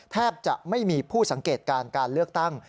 แทบจะไม่มีผู้สังเกตการการเลือกตั้ง